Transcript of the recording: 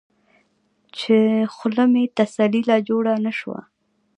چې خله مې تسلۍ له جوړه نۀ شوه ـ